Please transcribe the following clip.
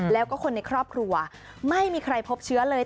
แล้วก็คนในครอบครัวไม่มีใครพบเชื้อเลย